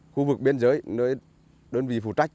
khu vực biên giới nơi đơn vị phụ trách